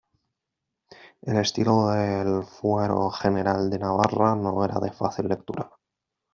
El estilo del Fuero General de Navarra no era de fácil lectura.